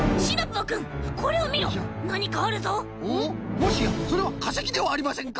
もしやそれはかせきではありませんか！？